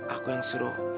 aku yang suruh